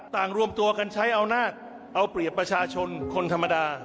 รวมตัวกันใช้อำนาจเอาเปรียบประชาชนคนธรรมดา